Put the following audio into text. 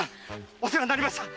お世話になりました。